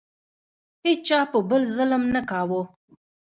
هیچا په بل ظلم نه کاوه.